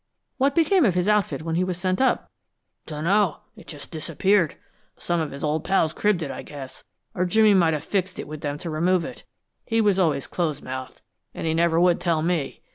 "What became of his outfit, when he was sent up?" "Dunno. It just disappeared. Some of his old pals cribbed it, I guess, or Jimmy may have fixed it with them to remove it. He was always close mouthed, and he never would tell me.